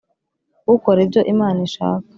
ukora ibyo Imana ishaka